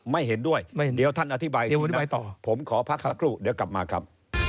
ไม่เห็นด้วยเดี๋ยวท่านอธิบายต่อผมขอพักสักครู่เดี๋ยวกลับมาครับ